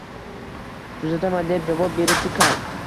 Тuzataman, deb javob beribdi kal